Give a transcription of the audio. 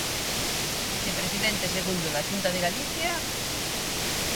Vicepresidente segundo da Xunta de Galicia: